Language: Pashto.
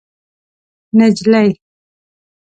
نجلۍ